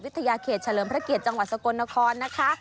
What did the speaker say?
เขตเฉลิมพระเกียรติจังหวัดสกลนครนะคะ